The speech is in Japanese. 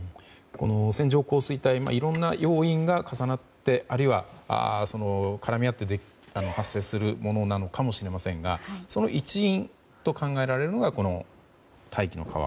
線状降水帯いろんな要因が重なってあるいは、絡み合って発生するものなのかもしれませんがその一因と考えられるのが大気の川。